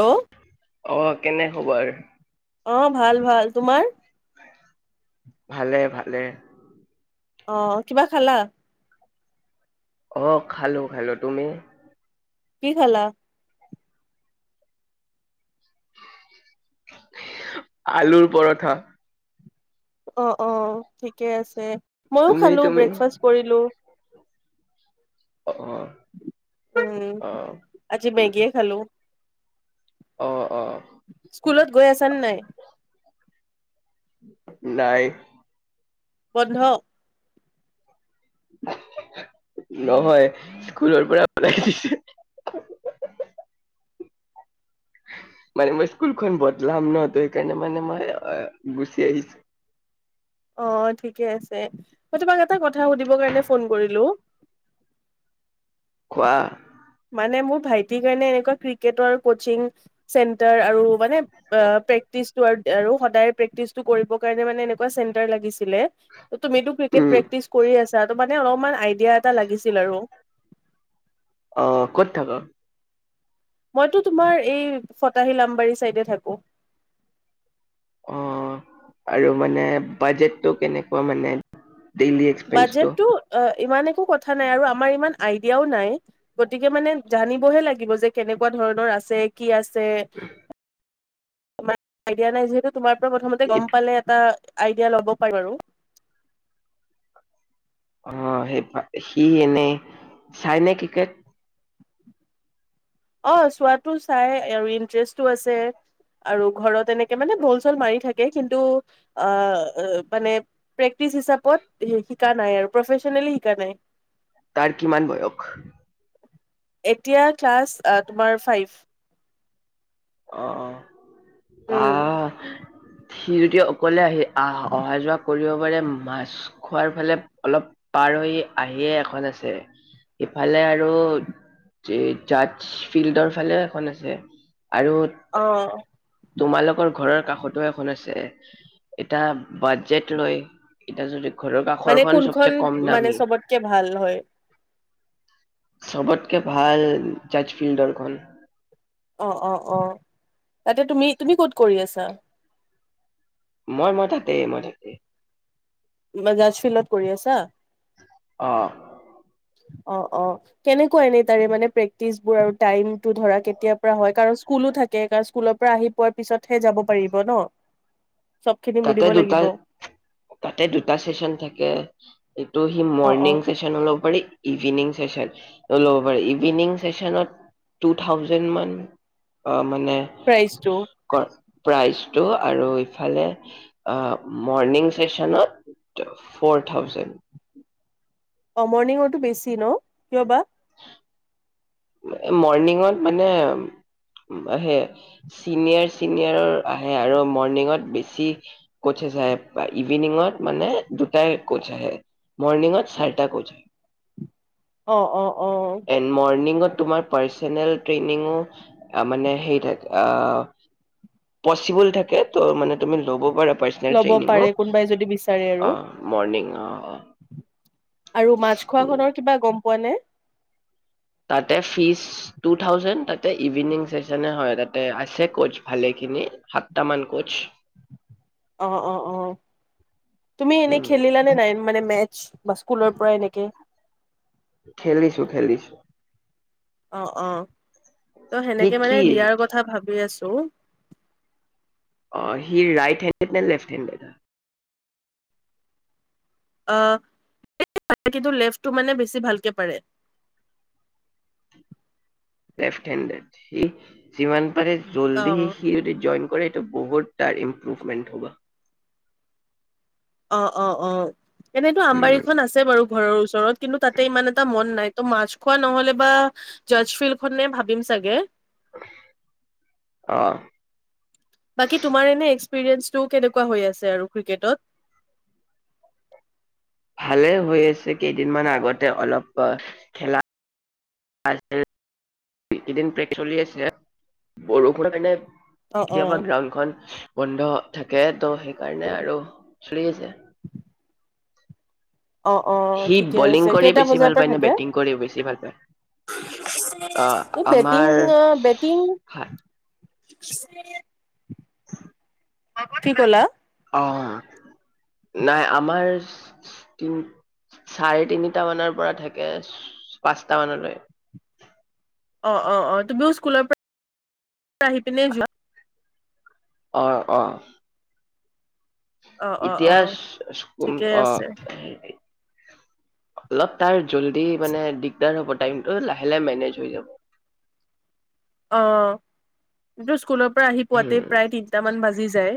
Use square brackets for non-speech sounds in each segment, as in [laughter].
Hello অ কেনে হ'ব আৰু অ ভাল ভাল তোমাৰ ভালে ভালে অ কিবা খালা আহ খালো খালো তুমি কি খালা আলুৰ পৰঠা অ অ ঠিকে আছে মইয়ো তুমি খালো তুমি? ব্ৰেকফাষ্ট কৰিলো অ', উম অ', আজি মেগীয়ে খালো অ', অ'। স্কুলত গৈ আছানে নাই নাই বন্ধ নহয় স্কুলৰ পৰা ওলাই দিছে মানে মই স্কুলখন বদলাম ন তো সেইকাৰণে মানে মই গুচি আহিছো অ ঠিকে আছে মই তোমাক এটা কথা সুধিবৰ কাৰণে ফোন কৰিলো কোৱা মানে মোৰ ভাইটিৰ কাৰণে এনেুৱা ক্ৰিকেটৰ কচিং চেণ্টাৰ আৰু মানে প্ৰেক্টিচ টো আৰু আৰু সদায় প্ৰেক্টিচটো কৰিবৰ কাৰণে মানে এনেকুৱা চেণ্টাৰ লাগিছিলে তুমিতো ক্ৰিকেট উম, প্ৰেক্টিচ কৰি আছা তোমাৰ মানে অলপমান আইডিয়া এটা লাগিছিল আৰু অ ক'ত থাকা মইতো তোমাৰ এই ফটাহিল আমবাৰী চাইডে থাকো অ আৰু মানে বাজেতটো কেনেকুৱা মানে ডেইলি এক্সপেন্সটো? বাজেতটো অ ইমান একো কথা নাই আৰু আমাৰ ইমান আইডিয়াও নাই গতিকে মানে জানিবহে লাগিব যে কেনেকুৱা ধৰণৰ আছে কি আছে যে আইডিয়া নাই যে তোমাৰ পৰা প্ৰথমতে গম পালে এটা আইডিয়া ল'ব পাৰ আৰু অ সেই অ চোৱা টো চাই ইণ্টাৰেষ্ট ও আছে আৰু ঘৰত অনেকে মানে বল চল মাৰি থাকে কিন্তু অ প্ৰেক্টিচ্ হিচাপত বা প্ৰফেচনেলি হিকা নাই তাৰ কিমান বয়স এতিয়া ক্লাছ অ তোমাৰ ফাইভ অ অ উম ত সি যদি অকলে আহি আহ অহা যোৱা কৰিব পাৰে মাছখোৱাৰ ফালে অলপ পাৰ হৈ আহিয়ে এখন আছে সিফালে আৰু জাজ ফিল্ডৰ ফালে এখন আছে। আৰু অ'। তোমালোকৰ ঘৰৰ কাষতো এখন আছে এটা বাজেট লয় এতিয়া যদি ঘৰৰ মানে কাষৰখন কোনখন চবচে কম মানে দামী চবতকে ভাল হয় চবতকে ভাল জজ ফিল্ডৰখন অ অ অ তাতে তুমি তুমি ক'ত কৰি আছা মই মই তাতে মই তাতে তোমাৰ জাজফিল্ডত কৰি আছা অ অ অ কেনেকুৱা এনেই তাৰে মানে প্ৰেক্টিচবোৰ আৰু টাইমটো ধৰা কেতিয়াৰ পৰা হয় কাৰণ স্কুলো থাকে কাৰণ স্কুলৰ পৰা আহি পোৱাৰ পিছতহে যাব পাৰিব ন চব খিনি তাতে মিলিব দুটা লাগিব। তাতে দুটা চেচন থাকে এইটো সি অ', মৰ্ণিং অ', চেচন ল'ব পাৰি ইভিনিং ছেছন ও লব পাৰি ইভিনিং ছেছন ত টুথাউজেণ্ড মান মানে প্ৰাইচটো কৰে প্ৰাইজটো আৰু ইফালে মৰনিং চেচনত ফ'ৰ থাউজেণ্ড অ মৰ্ণিঙতো বেছি ন কিয় বা মৰ্ণিঙত মানে হে চিনিয়ৰ চিনিয়ৰ আহে আৰু মৰ্ণিঙত বেছি কোচছ আহে ইভিনিঙত মানে দুটাই কোচ আহে মৰ্ণিঙত চাৰিটা কোচ আহে অ', অ', অ', এনড মৰ্ণিঙত তোমাৰ পাৰ্ছনেল টেৰ্ণিংও মানে হেৰি থাকে অ পচিবল থাকে মানে তুমি লব পাৰা পাৰ্চনেল ল'ব ট্ৰেইনিংঙো পাৰে কোনোবাই যদি বিচাৰে আৰু। অ মৰ্ণিং অ আৰু মাছখোৱা খনৰ কিবা গম পোৱা নে ত ইভিনিং চেচনও হয় তাতে আছে কৌ'চ ভালেখিনি সাতটা মান কৌচ অ অ অ তুমি এনে উম খেলিলা নে নাই মানে মে চ বা স্কুলৰ পৰা এনেকে খেলিছো খেলিছো অ অ ত' সি সেনেকে মানে কি দিয়াৰ কথা ভাবি আছো ত অ হি ৰাইট হেডট নে লেফ্ট হেণ্ডট আহ কিন্তু লেফটো মানে বেছি ভালকে পাৰে লেফ্ট হেণ্ডেড সি সি মানে পাৰে অ জল্দি সি যদি জইন কৰে বহুত তাৰ ইম্প্ৰুভমেণ্ট হ'ব অ অ অ এনেইতো উম আমবাৰীখন আছে বাৰু ঘৰৰ ওচৰত ঘৰত কিন্তু তাতে ইমান এটা মন নাই ত' মাছ খোৱা নহলে বা জজ ফিল্ড খনে ভাবিম চাগে আহ বাকী তোমাৰ এনে এক্সপিৰিয়েন্ঞ্চটো কেনেকুৱা হৈ আছে আৰু ক্ৰিকেটত ভালে হৈ আছে কেইদিনমানান আগতে অলপ খেলােইদিনে চলি আছে বৰষুণৰ মানে অ কেতিয়াবা অ গ্ৰাউণ্ডখন বন্ধ থাকে ত' সেইকাৰণে আৰু চলি আছে অ অ সি ঠিকে বলিং আছে কৰি কেইটা বেছি বজাৰ ভাল পৰা পায় নে থাকে বেটিং কৰি বেছি ভাল পায় আহ এই বেটিং আমাৰ বেটিং হয় [unintelligible] কি ক'লা অ নাই আমাৰ তি চাৰে তিনিটা মানৰ পৰা থাকে পাঁচটা মানলৈ অ অ অ তুমিও স্কুলৰ পৰা আহি পিনে যোৱা অ অ অ অ অ ইতিহাস ক ঠিকে অ আছে অলপ তাৰ জল্দি মানে দিগদাৰ হ'ব টাইমটো লাহে লাহে মেনেজ হৈ যাব অটো স্কুলৰ পৰা আহি উম, পোৱাাতেই প্ৰায় তিনটা মান বাজি যায়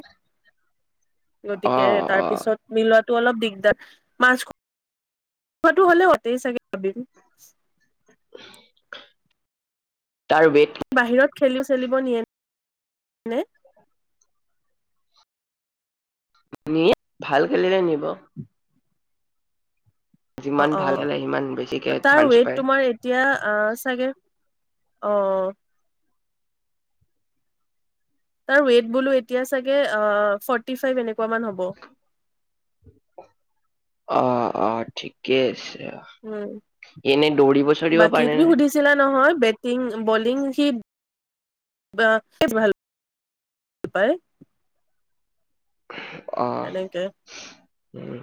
গতিকে অ', অ'। তাৰপিছত মিলত অলপ দিগদাৰ মাছ খোৱাটো হ'লে হলেই চাগে ভ তাৰ ৱেইট খেলি চেলিব নিয়ে নে নি ভাল খেলিলে নিব অ যিমান অ ভাল খেলে সিমান বেছিকে তাৰ চান্স ৱেইট পায়। তোমাৰ এতিয়া চাগে অ তাৰ ৱেইট বোলোঁ চাগে ফ'ৰ্টী ফাইভ এনেকুৱা অকমান হ'ব অ অ ঠিকে আছে উম এনে দৌৰিব চৌৰিব বাকী পাৰে তুমি নে? সুধিছিলা নহয় বেটিং বলিং সি কি ভাল ভাল পায় অ', এনেকে উম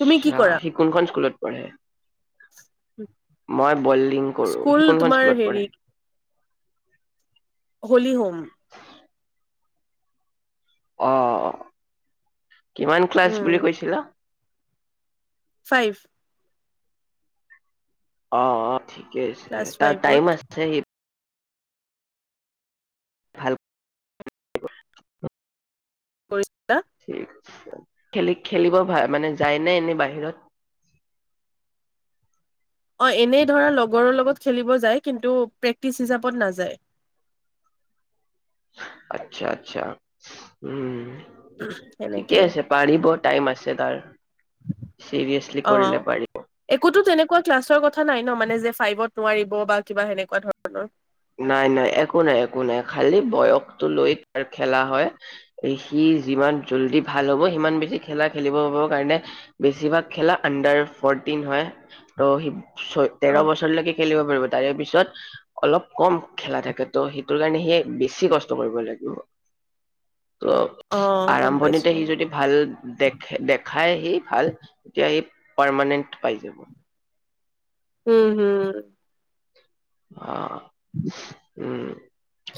তুমি কি কৰা? সি কোনখন স্কুলত পঢ়ে মই বল্লিং কৰোঁ স্কুল সি কোনখন তোমাৰ স্কুলত হেৰি পঢ়ে অ [inaudible] হলি হোম অ অ কিমান ক্লাছ উম, বুলি কৈছিলা । ফাইভ অ অ ঠিকে আছে ক্লাছ তাৰ ফাইভত। টাইম আছে ভাল কৰিছিলা খেলি খেলিব মানে যায়নে এনেই বাহিৰত অ এনেই ধৰা লগৰৰ লগত খেলিব যায় কিন্তু প্ৰেক্টিচ হিচাপত নাযায় আচ্ছা আচ্ছা উম ঠিকে সেনেকে আছে পাৰিব টাইম আছে তাৰ চিৰিয়াচলি কৰিলে পাৰিব কোৱা ক্লাছৰ কথা নাই ন মানে যে ফাইভত নোৱাৰিব বা কিবা সেনেকুৱা ধৰণৰ নাই নাই একো নাই একো নাই খালি বয়সটো লৈ তাৰ খেলা হয় সি যিমান জল্দি ভাল হ'ব সিমান বেছি খেলা খেলিব পাৰিব কাৰণে বেছিভাগ খেলা আণ্ডাৰ ফৰটিন হয় ত ছয় তেৰ অ বছৰলৈকে খেলিব পাৰিব তাৰে পিছত অলপ কম খেলা থাকে ত' সেইটোৰ কাৰণে সে বেছি কষ্ট কৰিব লাগিব ত অ গম পাইছো আৰম্ভণিতে সি যদি ভাল দেখ দেখায় সি ভাল তেতিয়া সি পাৰমানেণ্ট পাই যাব উম হম অ উম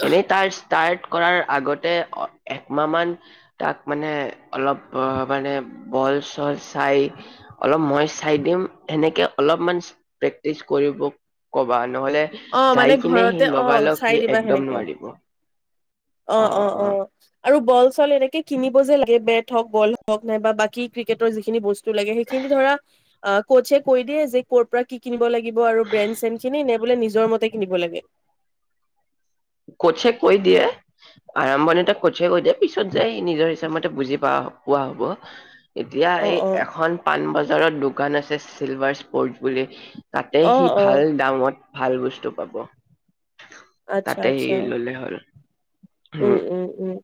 এনেই তাৰ ষ্টাৰ্ট কৰাৰ আগতে একমাহ মান তাক মানে অলপ মানে বল চল চাই অলপ মই চাই দিম সেনেকে অলপমান প্ৰেক্টিচ কৰিব কবা নহলে অ যাই মানে কিনে সি ঘৰতে অ লগালগ চাই সি দিবা একদম সেনেকে নোৱাৰিব অ অ অ আৰু বল চল এনেকে কিনিব যে লাগে বেট হক গল হক নাইবা বাকী ক্ৰিকেটৰ যিখিনি বস্তু লাগে সেইখিনি ধৰা কোচে কৈ দিয়ে যে কৰ'ৰ পৰা কি কিনিব লাগি ব আৰু ব্ৰেন চেন খিনি নে বোলে নিজৰ মতে কিনিব লাগে কোছে কৈ দিয়ে আৰম্ভণিতে কোছে কৈ দিয়ে পিছত যায় নিজৰ [unintelligible] এতিয়া, অ এই অ এখন পাণ বজাত ওচৰত দোকান আছে, চিলভাৰ স্পৰ্টছ বুলি তাতে অ সি অ ভাল দামত, ভাল বস্তু পাব। তাতে সি আচ্ছা-আচ্ছা ললে হ'ল উম', -উম', -উম',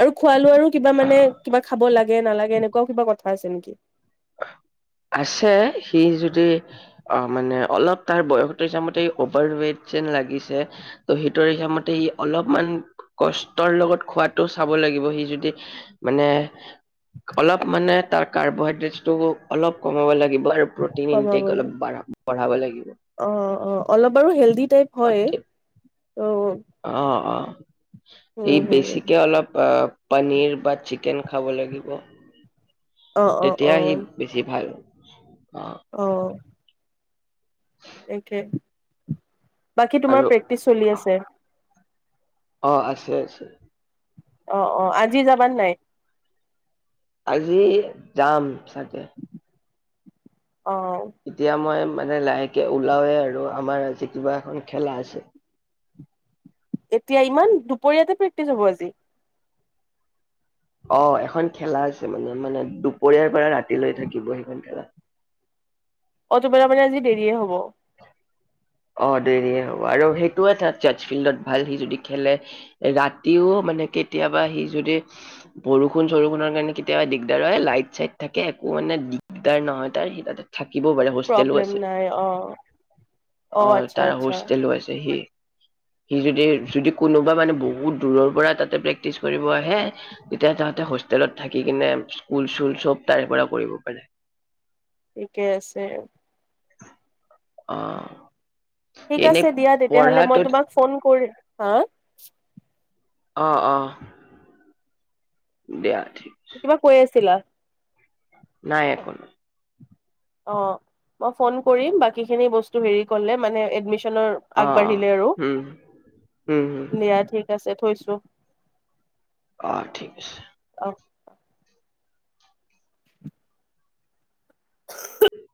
আৰু খোৱা, বোলো আৰু কিবা মানে আহ, কিবা খাব লাগে। এ', নালাগে এনেকুৱাও কিবা কথা আছে নেকি? আছে, সি যদি অ', মানে অলপ তাৰ বয়সৰ হিচাপমতে অভাৰ- ৱেইট যেন লাগিছে, ত', সিটোৰ হিচাপমতে সি অলপমান কষ্টৰ লগত খোৱাটো চাব লাগিব। সি যদি মানে, অলপ মানে তাৰ কাৰ্বহাইড্ৰেট ত', অলপ কমাব লাগিব। প্ৰটিন ইনটেক কমাবলৈ অলপ পাৰোঁ পঢ়াব লাগিব। অ', -অ', অলপ বাৰু হেলডি টাইপ অ হয় ঠিক। ত', এই হম হম বেছিকে অলপ অ', পনীৰ বা চিকেন খাব লাগিব। অ অ অ তেতিয়া সি বেছি ভাল, [inaudible] অ', একে, বাকী আৰু তোমাৰ প্ৰেক্টিচ চলি আছে? অ', আছে-আছে। অ', - অ', আজি যাবা নে নাই? আজি যাম চাগে। অ এতিয়া মই, মানে লাহেকে ওলাওয়ে আৰু আমাৰ আজি কিবা এখন খেলা আছে। এতিয়া ইমান দুপৰীয়াতে প্ৰেক্টিচ হব আজি? অ', এখন খেলা আছে, মানে-মানে দুপৰীয়াৰ পৰা ৰাতি লৈ থাকিব সেইখন খেলা। অটোবেলা মানে আজি দেৰিয়ে হব? অ', দেৰিয়ে হ'ব আৰু সেইটো ত জাজ ফিল্ডত ভাল। সি যদি খেলে ৰাতিও মানে কেতিয়াবা সি যদি বৰষুণ-চৰষুণৰ কাৰণে কেতিয়াবা দিগদাৰ হয়, লাইট-চাইট থাকে, একো মানে দিগদাৰ নহয় তাৰ সি তাতে থা থাকিবও পাৰে হোষ্টেলো প্ৰব্লেম আছে। নাই অ অ', আচ্ছা তাৰ আচ্ছা হোষ্টেলো আছে। সি', -সি ', যদি-যদি কোনোবা মানে বহুত দূৰৰ পৰা তাতে প্ৰেক্টিচ কৰিব আহে, তেতিয়া তাহাঁতে হোষ্টেলত থাকি কিনে স্কুল-চুল চব তাৰে পৰা কৰিব পাৰে। ঠিকে আছে। অঅঁ ঠিক আছে দিয়া তেতিয়লে মই তোমাক ফোন কৰিম হাঁ অঁ অঁ দিয়া ঠিক কিবা কৈ আছিলা নাই দেখোন অঁ মই ফোন কৰিম বাকিখিনি বস্তুৰ কলে মানে এডমিশ্যন অ', অ', আগবাঢ়িলে উম, উম, উম, আৰু দিয়া ঠিক আছে থৈছো অঁ ঠিক আছে [unintelligible] [unintelligible]